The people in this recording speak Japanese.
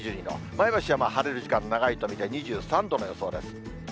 前橋は晴れる時間長いと見て、２３度の予想です。